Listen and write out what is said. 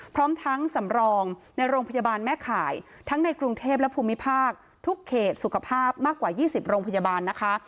พร้อมทั้งสำรองในโรงพยาบาลแม่ข่ายทั้งในกรุงเทพและภูมิภาคทุกเขตสุขภาพมากกว่า๒๐โรงพยาบาลนะคะ